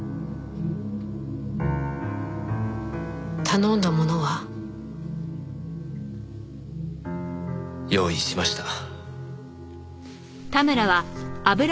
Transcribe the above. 頼んだものは？用意しました。